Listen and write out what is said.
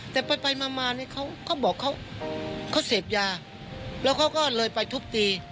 แต่ไปมาเนี่ยเขาก็บอกเขาเสพยาแล้วเขาก็เลยไปทุบตี